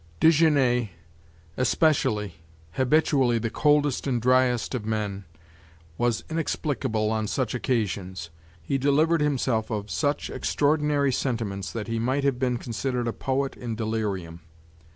Desgenais especially, habitually the coldest and driest of men, was inexplicable on such occasions; he delivered himself of such extraordinary sentiments that he might have been considered a poet in delirium.